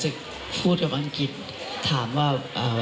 พูดกับอังกฤษถามว่า